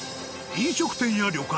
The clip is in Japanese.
飲食店や旅館